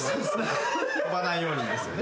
飛ばないようにですよね。